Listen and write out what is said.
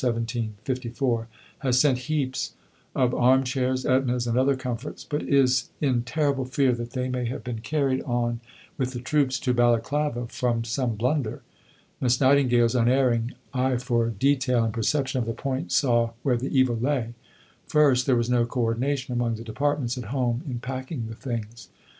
17, '54), "has sent heaps of armchairs, etnas, and other comforts, but is in terrible fear that they may have been carried on with the troops to Balaclava from some blunder." Miss Nightingale's unerring eye for detail and perception of the point saw where the evil lay. First, there was no co ordination among the departments at home in packing the things.